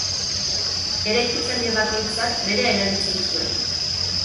Eraikitzaile bakoitzak berea erabiltzen zuen.